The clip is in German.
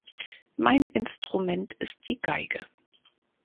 Mein Instrument ist die Geige.